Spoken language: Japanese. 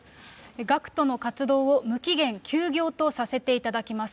ＧＡＣＫＴの活動を無期限休業とさせていただきます。